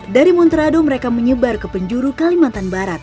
dari monterado mereka menyebar ke penjuru kalimantan barat